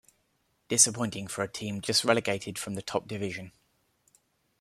Disappointing for a team just relegated from the top division.